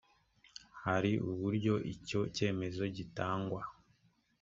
hari uburyo icyo cyemezo gitangwa